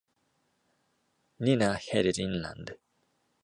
Nina headed inland.